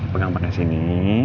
pegang pada sini